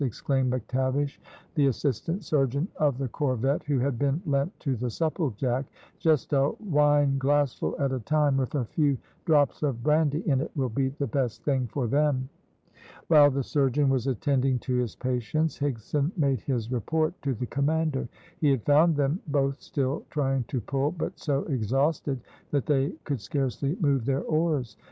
exclaimed McTavish, the Assistant Surgeon of the corvette, who had been lent to the Supplejack. "Just a wine glassful at a time, with a few drops of brandy in it, will be the best thing for them." While the surgeon was attending to his patients, Higson made his report to the commander. He had found them both still trying to pull, but so exhausted that they could scarcely move their oars.